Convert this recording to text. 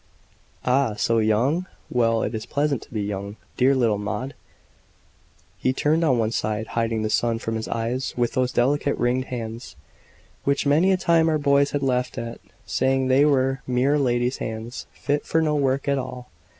"Ah, so young? Well, it is pleasant to be young! Dear little Maud!" He turned on one side, hiding the sun from his eyes with those delicate ringed hands which many a time our boys had laughed at, saying they were mere lady's hands, fit for no work at all.